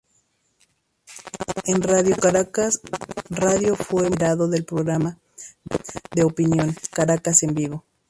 En Radio Caracas Radio fue moderador del programa de opinión "Caracas en Vivo".